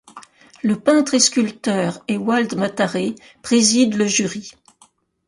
Le peintre et sculpteur, Ewald Mataré, préside le jury.